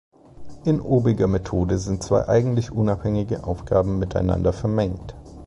In obiger Methode sind zwei eigentlich unabhängige Aufgaben miteinander vermengt.